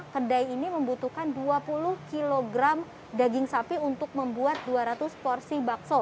kedai ini membutuhkan dua puluh kg daging sapi untuk membuat dua ratus porsi bakso